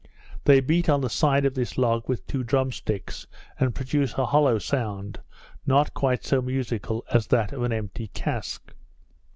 They beat on the side of this log with two drum sticks, and produce an hollow sound, not quite so musical as that of an empty cask.